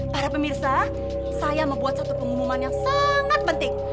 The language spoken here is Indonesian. para pemirsa saya membuat satu pengumuman yang sangat penting